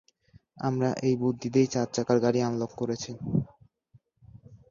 আমরা এই বুদ্ধি দিয়েই চার- চাকার গাড়ি আনলক করেছি।